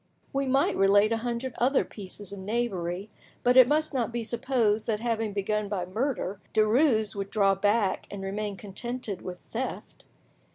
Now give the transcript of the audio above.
We might relate a hundred other pieces of knavery, but it must not be supposed that having begun by murder, Derues would draw back and remain contented with theft.